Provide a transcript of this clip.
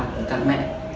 của thằng mẹ